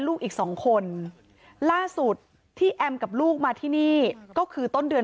ลูกอีกสองคนล่าสุดที่แอมกับลูกมาที่นี่ก็คือต้นเดือน